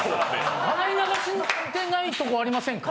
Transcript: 「洗い流してないとこありませんか？」